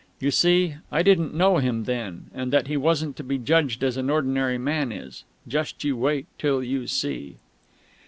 You see, I didn't know him then, and that he wasn't to be judged as an ordinary man is. Just you wait till you see....